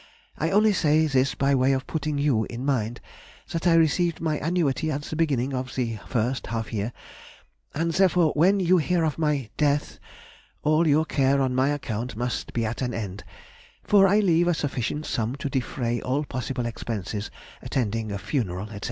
I only say this by way of putting you in mind that I received my annuity at the beginning of the first half year, and therefore when you hear of my death all your care on my account must be at an end, for I leave a sufficient sum to defray all possible expenses attending a funeral, &c.